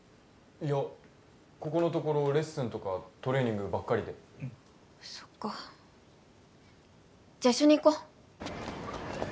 いやここのところレッスンとかトレーニングばっかりでそっかじゃあ一緒に行こう